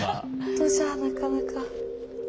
人じゃなかなか。